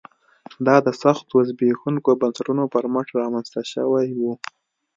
دا د سختو زبېښونکو بنسټونو پر مټ رامنځته شوی و